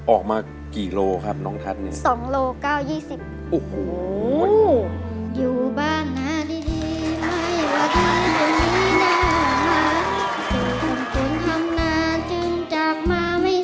ออกมากี่โลครับน้องทัศน์เนี่ย